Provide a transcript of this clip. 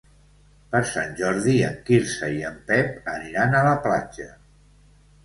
Per Sant Jordi en Quirze i en Pep aniran a la platja.